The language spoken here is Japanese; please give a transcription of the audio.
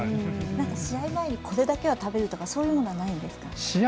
試合前にこれだけは食べるとかそういうのはないですか？